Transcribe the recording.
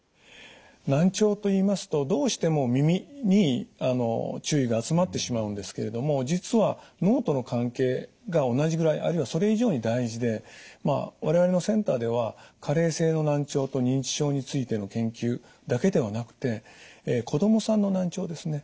難聴といいますとどうしても耳に注意が集まってしまうんですけれども実は脳との関係が同じぐらいあるいはそれ以上に大事で我々のセンターでは加齢性の難聴と認知症についての研究だけではなくて子供さんの難聴ですね。